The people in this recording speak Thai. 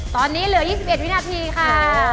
ตอนนี้เหลือ๒๑วินาทีค่ะ